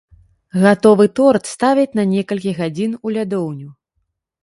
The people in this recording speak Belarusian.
Гатовы торт ставяць на некалькі гадзін у лядоўню.